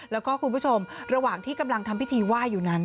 แล้วก็คุณผู้ชมระหว่างที่กำลังทำพิธีไหว้อยู่นั้น